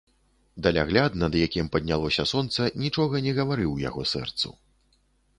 Далягляд, над якім паднялося сонца, нічога не гаварыў яго сэрцу.